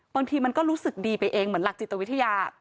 บางทีมันก็รู้สึกดีไปเองเหมือนหลักจิตวิทยา